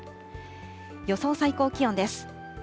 予想最高気温です。